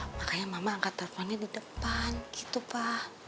makanya mama angkat teleponnya di depan gitu pak